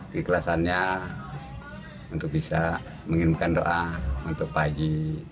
diklasannya untuk bisa mengimpan doa untuk pagi